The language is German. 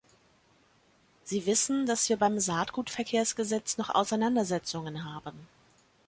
Sie wissen, dass wir beim Saatgutverkehrsgesetz noch Auseinandersetzungen haben.